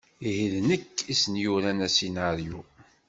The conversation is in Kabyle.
Ih, d nekk i sen-yuran asinaryu.